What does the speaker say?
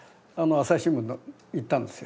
朝日新聞行ったんですか？